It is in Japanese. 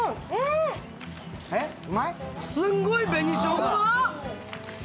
すんごい紅しょうが。